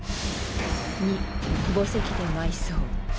２墓石で埋葬。